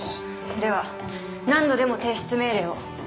では何度でも提出命令を。